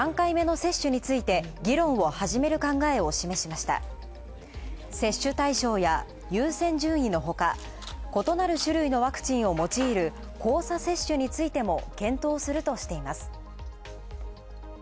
接種対象や優先順位のほか、異なる種類のワクチンを用いる交差接種についても検討するとしています。